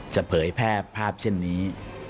เผยแพร่ภาพเช่นนี้